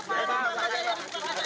penjelasannya seperti apa